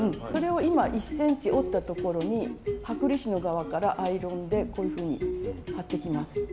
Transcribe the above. これを今１ｃｍ折ったところに剥離紙の側からアイロンでこういうふうに貼っていきます。